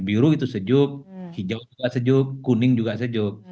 biru itu sejuk hijau juga sejuk kuning juga sejuk